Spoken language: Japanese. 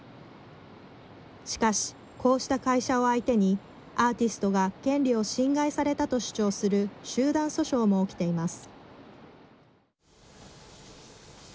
しかし、こうした会社を相手にアーティストが権利を侵害されたと主張する集団訴訟も起きています。